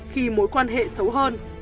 khi mối quan hệ xấu hơn